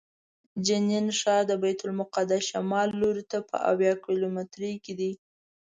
جنین ښار د بیت المقدس شمال لوري ته په اویا کیلومترۍ کې دی.